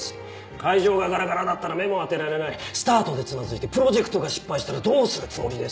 会場がガラガラだったら目も当てられスタートでつまずいてプロジェクトが失敗したらどうするつもりです？